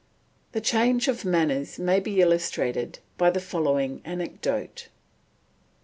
The change of manners may be illustrated by the following anecdote.